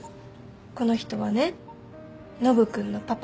この人はねノブ君のパパ。